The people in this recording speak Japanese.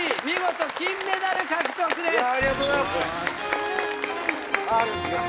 見事金メダル獲得です！